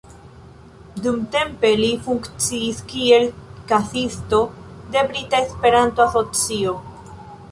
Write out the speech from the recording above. Dumtempe li funkciis kiel kasisto de Brita Esperanto-Asocio.